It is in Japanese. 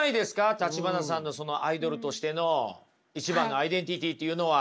橘さんのアイドルとしての一番のアイデンティティーっていうのは。